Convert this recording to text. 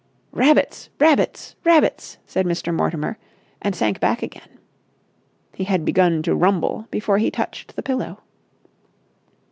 "Rabbits! Rabbits! Rabbits!" said Mr. Mortimer, and sank back again. He had begun to rumble before he touched the pillow.